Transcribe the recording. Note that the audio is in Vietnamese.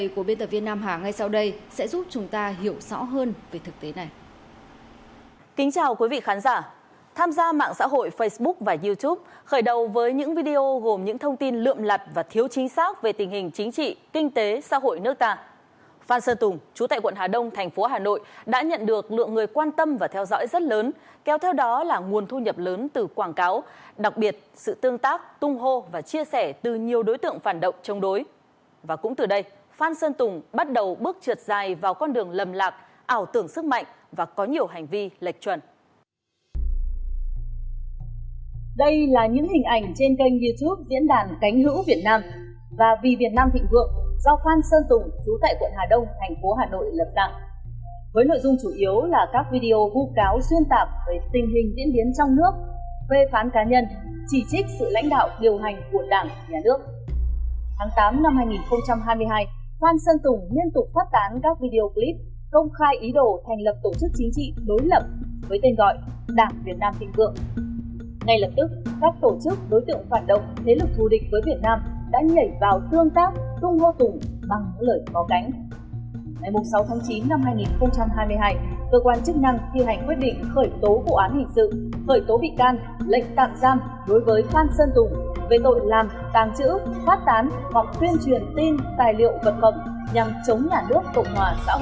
cơ quan chức năng thi hành quyết định khởi tố vụ án hình sự khởi tố bị can lệnh tạm giam đối với phan sơn tùng về tội làm tàng trữ phát tán hoặc tuyên truyền tin tài liệu vật phẩm nhằm chống nhà nước cộng hòa xã hội chủ nghĩa việt nam